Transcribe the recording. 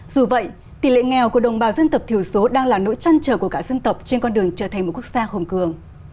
dù vậy tỷ lệ nghèo của đồng bào dân tộc thiểu số đang là nỗi trăn trở của cả dân tộc trên con đường trở thành một quốc gia hồng cường